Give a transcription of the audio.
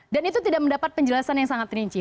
itu tidak mendapat penjelasan yang sangat rinci